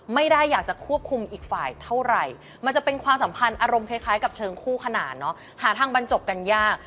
ไม่ได้อยากจะควบคุมอีกฝ่ายเท่าไหร่มันจะเป็นความสัมพันธ์อารมณ์คล้ายกับเชิงคู่ขนาดเนาะหาทางบรรจบกันยาก